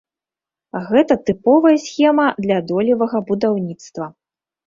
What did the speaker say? Гэта тыповая схема для долевага будаўніцтва.